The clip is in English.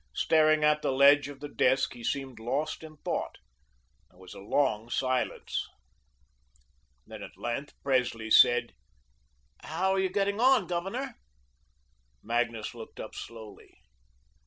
Staring at the ledge of the desk, he seemed lost in thought. There was a long silence. Then, at length, Presley said: "How are you getting on, Governor?" Magnus looked up slowly.